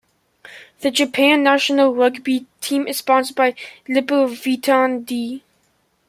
The Japan national rugby team is sponsored by Lipovitan D.